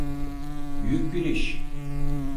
Büyük bir iş.